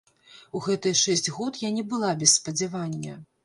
У гэтыя шэсць год я не была без спадзявання.